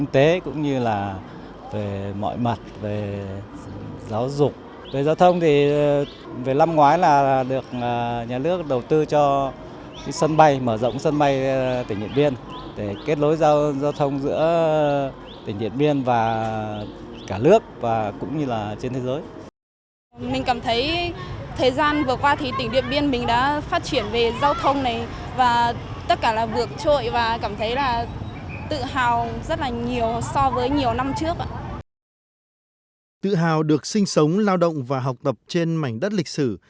tự hào được sinh sống lao động và học tập trên mảnh đất lịch sử